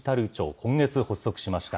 今月発足しました。